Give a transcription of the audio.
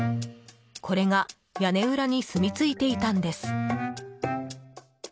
これが屋根裏に住み着いていたんです。